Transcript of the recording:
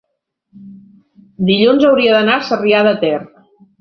dilluns hauria d'anar a Sarrià de Ter.